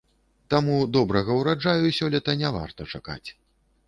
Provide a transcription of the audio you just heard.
Таму добрага ўраджаю сёлета не варта чакаць.